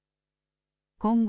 今後、